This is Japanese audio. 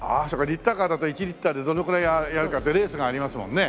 リッターカーだと１リッターでどのくらいやるかってレースがありますもんね。